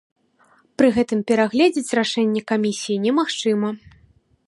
Пры гэтым перагледзіць рашэнне камісіі немагчыма.